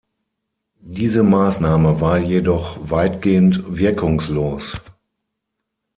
Diese Maßnahme war jedoch weitgehend wirkungslos.